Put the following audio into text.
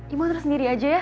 ibu mau tersendiri aja ya